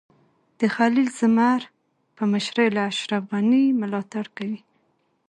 د خلیل زمر په مشرۍ له اشرف غني ملاتړ کوي.